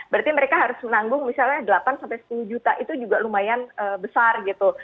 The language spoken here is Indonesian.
berarti mereka harus menanggung misalnya delapan sampai sepuluh juta itu juga lumayan besar gitu